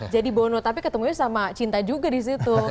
jadi bono tapi ketemu sama cinta juga di situ